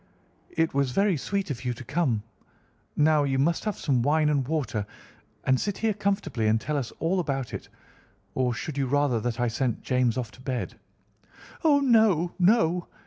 "It was very sweet of you to come. Now, you must have some wine and water, and sit here comfortably and tell us all about it. Or should you rather that I sent James off to bed?" "Oh, no, no!